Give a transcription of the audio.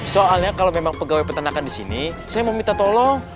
soalnya kalau memang pegawai peternakan di sini saya mau minta tolong